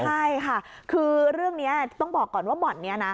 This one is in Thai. ใช่ค่ะคือเรื่องนี้ต้องบอกก่อนว่าบ่อนนี้นะ